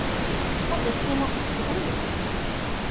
Ad ak-iniɣ kečč a mmi.